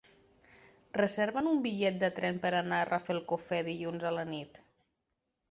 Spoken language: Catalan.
Reserva'm un bitllet de tren per anar a Rafelcofer dilluns a la nit.